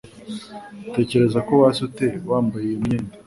Utekereza ko wasa ute wambaye iyo myenda?